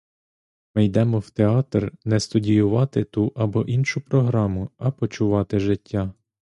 Ми йдемо в театр не студіювати ту або іншу програму, а почувати життя.